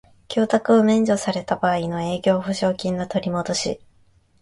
供託を免除された場合の営業保証金の取りもどし